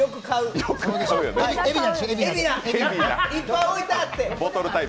いっぱい置いてあって。